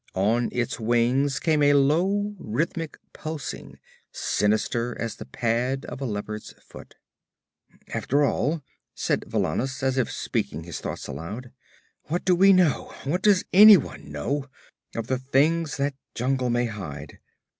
On its wings came a low, rhythmic pulsing, sinister as the pad of a leopard's foot. 'After all,' said Valannus, as if speaking his thoughts aloud, 'what do we know what does anyone know of the things that jungle may hide?